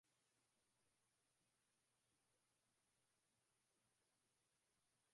mwongozo kwa serikali za mitaa na makampuni ya